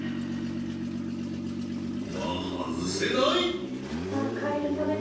ここは外せない